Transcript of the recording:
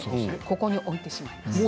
ここに置いてしまいます。